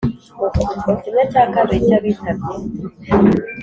Kimwe cya kabiri cy abitabye